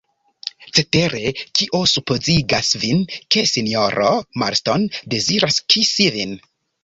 Cetere, kio supozigas vin, ke sinjoro Marston deziras kisi vin?